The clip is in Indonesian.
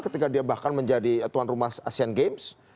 ketika dia bahkan menjadi tuan rumah asian games